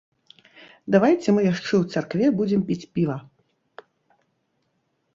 Давайце мы яшчэ ў царкве будзем піць піва?